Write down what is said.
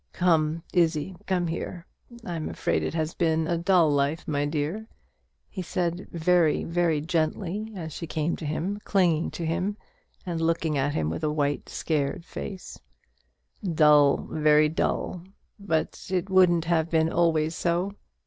Come, Izzie; come here. I'm afraid it has been a dull life, my dear," he said very gently, as she came to him, clinging to him, and looking at him with a white scared face, "dull very dull; but it wouldn't have been always so.